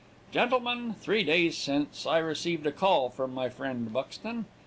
"Gentlemen, three days since I received a call from my friend Buxton.